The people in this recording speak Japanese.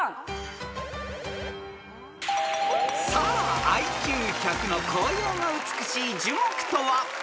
［さあＩＱ１００の紅葉が美しい樹木とは？］